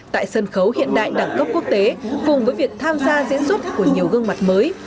tại sân khấu hiện đại đẳng cấp quốc tế cùng với việc tham gia diễn xuất của nhiều gương mặt mới